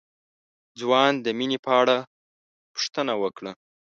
ځوان د مينې په اړه پوښتنه وکړه.